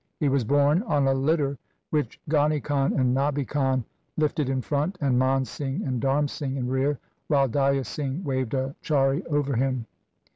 He was borne on a litter which Ghani Khan and Nabi Khan lifted in front, and Man Singh and Dharm Singh in rear, while Daya Singh waved a chauri over him.